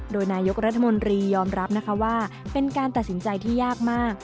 โดยนายกรัฐมนตรียอมรับนะคะว่าเป็นการตัดสินใจที่ยากมาก